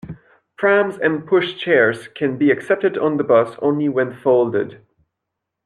Prams and pushchairs can be accepted on the bus only when folded